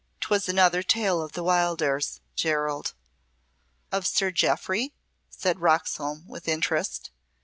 'Twas another tale of Wildairs, Gerald." "Of Sir Jeoffry?" said Roxholm, with interest.